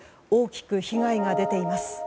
大きく被害が出ています。